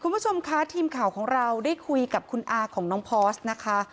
คุณผู้ชมคะทีมข่าวของเราได้คุยกับคุณอาของน้องพอสนะคะ